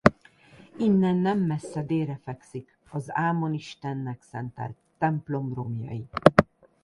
Innen nem messze délre fekszik az Ámon istennek szentelt templom romjai.